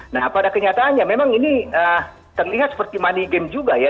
nah pada kenyataannya memang ini terlihat seperti money game juga ya